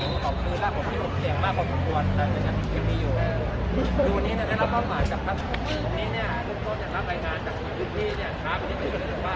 ทุกคนเนี่ยรับรายงานจากคนที่ที่นี่เนี่ยท้าไปนิดหนึ่งหรือเปลือกว่า